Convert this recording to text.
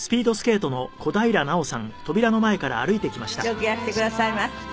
よくいらしてくださいました。